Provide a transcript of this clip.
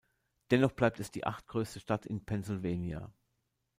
Dennoch bleibt es die achtgrößte Stadt in Pennsylvania.